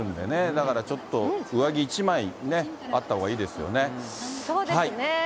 だからちょっと上着１枚あったほうがいそうですね。